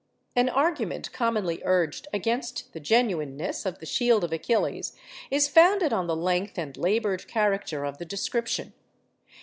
An argument commonly urged against the genuineness of the 'Shield of Achilles' is founded on the length and laboured character of the description.